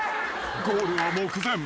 ［ゴールは目前］